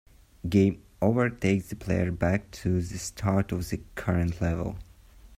Game over takes the player back to the start of the current level.